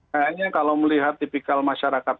kayaknya kalau melihat tipikal masyarakat